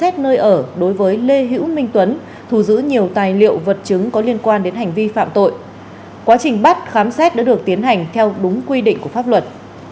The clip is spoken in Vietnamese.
thù giữ nhiều tài liệu vật chứng có liên quan đến hành vi phạm tội quá trình bắt khám xét đã được tiến hành theo đúng quy định của pháp luật